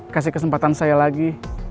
kasih kesempatan saya lagi